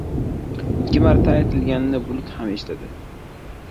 • Ikki marta aytilganni bulut ham eshitadi.